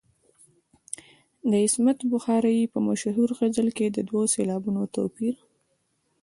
د عصمت بخارايي په مشهور غزل کې د دوو سېلابونو توپیر.